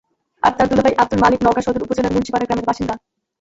আর তাঁর দুলাভাই আবদুল মালেক নওগাঁ সদর উপজেলার মুন্সিপাড়া গ্রামের বাসিন্দা।